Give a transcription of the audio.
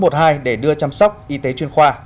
sar bốn trăm một mươi hai để đưa chăm sóc y tế chuyên khoa